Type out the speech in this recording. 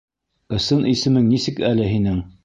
Ысын исемең нисек әле һинең?